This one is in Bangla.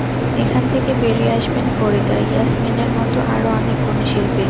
এখান থেকে বেরিয়ে আসবেন ফরিদা ইয়াসমিনের মতো আরও অনেক গুণী শিল্পী।